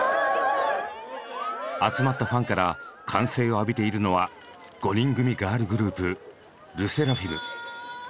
集まったファンから歓声を浴びているのは５人組ガールグループ「ＬＥＳＳＥＲＡＦＩＭ」。